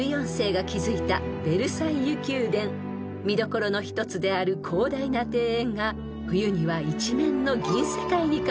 ［見どころの一つである広大な庭園が冬には一面の銀世界に変わります］